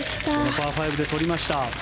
パー５でとりました。